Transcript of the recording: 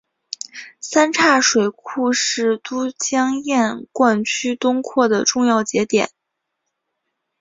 三岔水库是都江堰灌区东扩的重要节点。